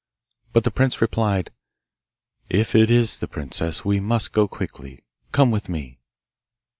But the prince replied, 'If it is the princess, we must go quickly. Come with me.